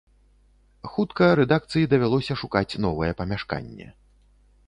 Хутка рэдакцыі давялося шукаць новае памяшканне.